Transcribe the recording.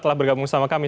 telah bergabung sama kami